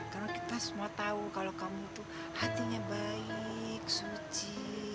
karena kita semua tahu kalau kamu tuh hatinya baik suci